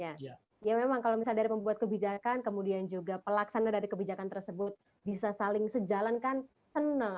ya memang kalau misalnya dari pembuat kebijakan kemudian juga pelaksana dari kebijakan tersebut bisa saling sejalan kan tenang